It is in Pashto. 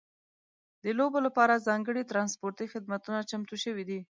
د لوبو لپاره ځانګړي ترانسپورتي خدمتونه چمتو شوي دي.